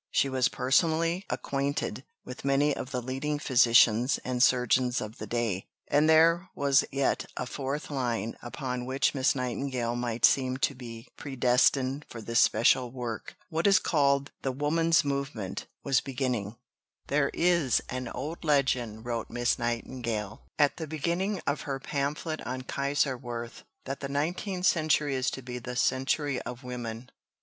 She was personally acquainted with many of the leading physicians and surgeons of the day. And there was yet a fourth line upon which Miss Nightingale might seem to be predestined for this special work. What is called the "woman's movement" was beginning. "There is an old legend," wrote Miss Nightingale, at the beginning of her pamphlet on Kaiserswerth, "that the nineteenth century is to be the 'century of women.'"